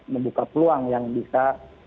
membuka peluang yang bisa